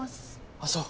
あっそう。